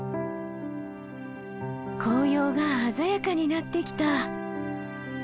紅葉が鮮やかになってきた。